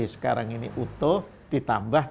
sekarang ini utuh ditambah